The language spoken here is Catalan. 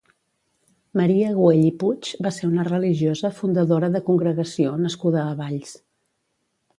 Maria Güell i Puig va ser una religiosa fundadora de congregació nascuda a Valls.